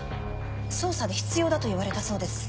捜査で必要だと言われたそうです。